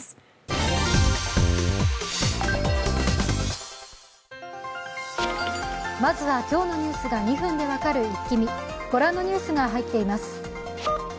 まずは今日のニュースが２分で分かるイッキ見ご覧のニュースが入っています。